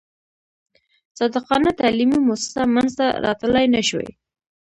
صادقانه تعلیمي موسسه منځته راتلای نه شوای.